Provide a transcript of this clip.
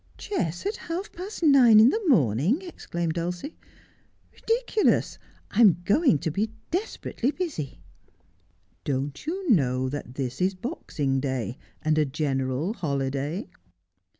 ' Chess at half past nine in the morning !' exclaimed Dulcie. ' Ridiculous ! I am going to be desperately busy.' 'Don't you know that this is Boxing Day, and a general holiday?'